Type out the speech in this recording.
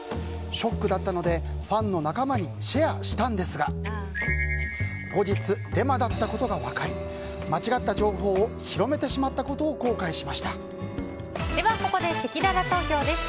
ショックだったのでファンの仲間にシェアしたんですが後日、デマだったことが分かり間違った情報を広めてしまったことをここで、せきらら投票です。